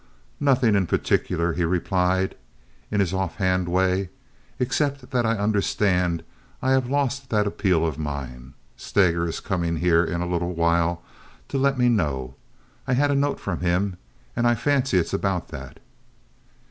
"Nothing in particular," he replied, in his offhand way, "except that I understand I have lost that appeal of mine. Steger is coming here in a little while to let me know. I had a note from him, and I fancy it's about that."